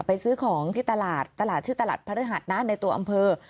ไปซื้อของที่ตลาดชื่อตลาดภรรยาธนาธิ์ในตัวอำเภอ